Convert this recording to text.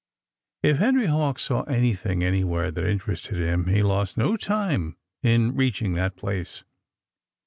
If Henry Hawk saw anything anywhere that interested him he lost no time in reaching that place.